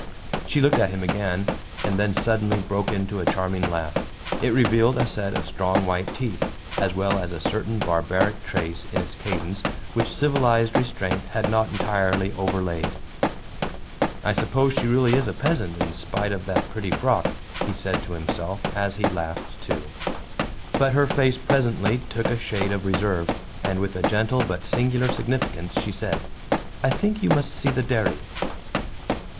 She looked at him again, and then suddenly broke into a charming laugh. It revealed a set of strong white teeth, as well as a certain barbaric trace in its cadence which civilized restraint had not entirely overlaid. "I suppose she really is a peasant, in spite of that pretty frock," he said to himself as he laughed too. But her face presently took a shade of reserve, and with a gentle but singular significance she said: "I think you must see the dairy."